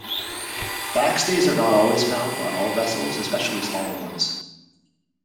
Backstays are not always found on all vessels, especially smaller ones.